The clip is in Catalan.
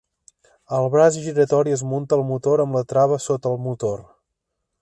El braç giratori es munta al motor amb la trava sota el motor.